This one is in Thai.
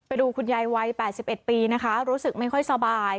ไปดูคุณยายวัย๘๑ปีนะคะรู้สึกไม่ค่อยสบาย